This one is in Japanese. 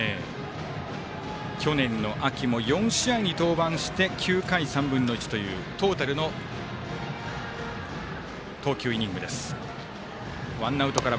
去年の秋も４試合に登板して９回３分の１というトータルの投球イニングです。